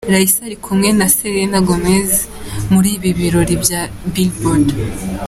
Raisa ari kumwe na Selena Gomez muri ibi birori bya BillBoard.